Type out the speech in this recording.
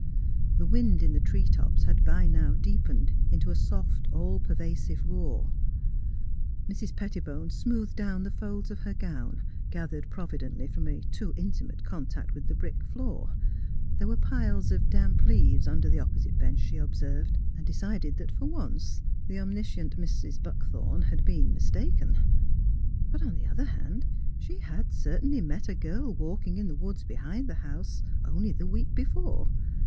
The wind in the tree tops had by now deepened into a soft, all pervasive roar. Mrs. Pettibone smoothed down the folds of her gown, gathered providently from a too intimate contact mth the brick floor. There were piles of damp leaves under the opposite bench, she ob THE CLOSED DOOR 53 served, and decided that, for once, the omniscient Mrs. Buckthorn had been mistaken. But, on the other hand, she had certainly met a girl walking in the woods behind the house, only the week be fore.